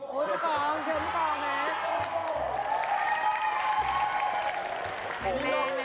โอ้ยผู้ของเชิญผู้ของนะ